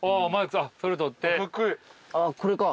あっこれか。